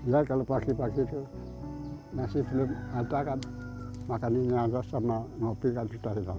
lihat kalau pagi pagi itu masih belum ada kan makanannya ada sama kopi kan sudah hilang